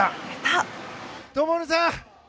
灯さん！